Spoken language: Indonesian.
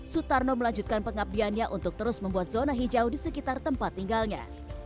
sutarno melanjutkan pengabdiannya untuk terus membuat zona hijau di sekitar tempat tinggalnya